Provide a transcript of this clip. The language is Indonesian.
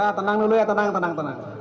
ya tenang dulu ya tenang tenang